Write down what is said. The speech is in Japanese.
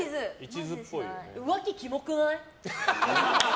浮気キモくない？